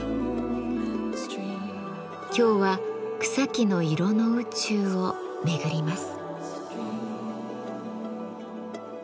今日は「草木の色の宇宙」を巡ります。